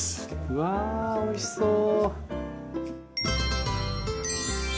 うわおいしそう。